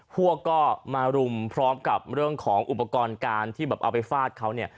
พวกก็มารุมพร้อมกับเรื่องของอุปกรณ์การที่แบบเอาไปฟาดเขาเนี่ย